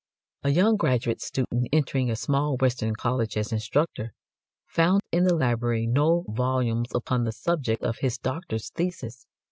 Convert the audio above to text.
A young graduate student entering a small western college as instructor, found in the library no volumes upon the subject of his doctor's thesis.